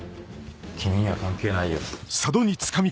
君には関係ないよ。